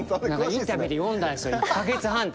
インタビューで読んだんすよ１カ月半。